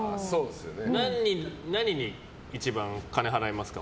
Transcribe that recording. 何に一番、金払いますか？